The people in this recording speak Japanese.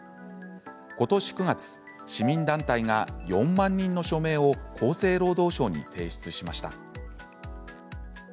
ことし９月市民団体が、４万人の署名を厚生労働省に提出しました。